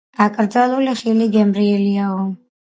აკრძალული ხილი, გემრიელიაო